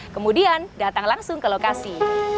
kemudian datang langsung ke lokasi